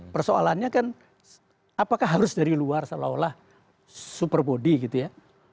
persoalannya kan apakah harus dari luar seolah olah super body gitu ya